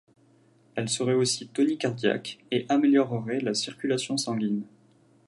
Elle serait aussi tonicardiaque et améliorerait la circulation sanguine.